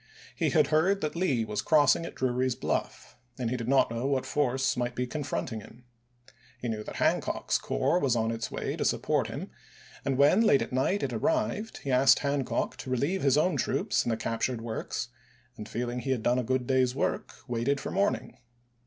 He had heard that Lee was crossing at Drewry's Bluff and he did not know what force might be confronting him. He knew that Han cock's corps was on its way to support him, and when, late at night, it arrived, he asked Hancock to relieve his own troops in the captured works, and feeling that he had done a good day's work, waited for morning.